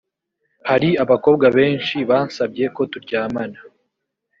hari abakobwa benshi bansabye ko turyamana